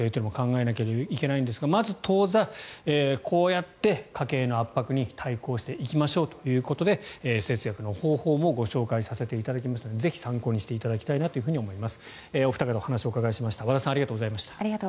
長期的にはそういった電気のことも考えないといけないですがまず当座、こうやって家計の圧迫に対抗していきましょうということで節約の方法もご紹介していただいたので参考にしていただきたいなと思います。